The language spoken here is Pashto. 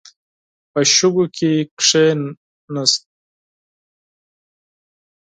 په شګو کې کښیناست.